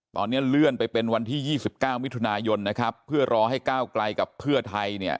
ตอนนี้เลื่อนไปเป็นวันที่๒๙มิถุนายนนะครับเพื่อรอให้ก้าวไกลกับเพื่อไทยเนี่ย